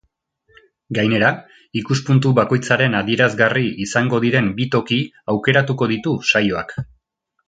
Gainera, ikuspuntu bakoitzaren adierazgarri izango diren bi toki aukeratuko ditu saioak.